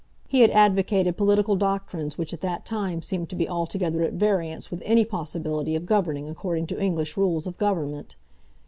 He had advocated political doctrines which at that time seemed to be altogether at variance with any possibility of governing according to English rules of government.